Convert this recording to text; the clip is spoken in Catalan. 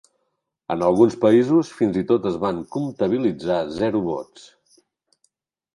En alguns països, fins i tot es van comptabilitzar zero vots.